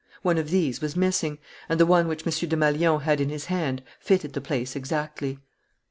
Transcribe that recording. One of these was missing; and the one which M. Desmalions had in his hand fitted the place exactly.